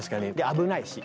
危ないし。